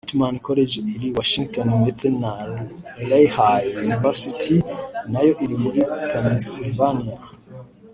Whitman College iri i Washington ndetse na Lehigh University nayo iri muri Pennsylvania